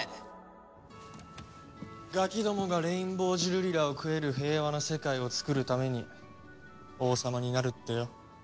ガキどもがレインボージュルリラを食える平和な世界をつくるために王様になるってよ。